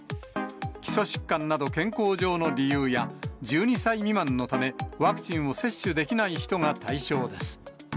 基礎疾患など健康上の理由や、１２歳未満のためワクチンを接種できない人が対象です。